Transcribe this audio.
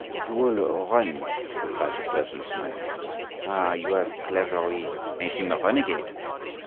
"He will run," replied the surgeon, smiling. "Ah! you have cleverly made him a renegade."